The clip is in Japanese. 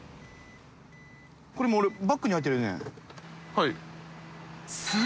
はい。